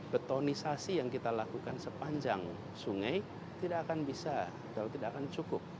betonisasi yang kita lakukan sepanjang sungai tidak akan bisa atau tidak akan cukup